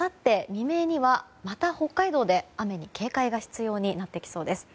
未明にはまた北海道で雨に警戒が必要になってきそうです。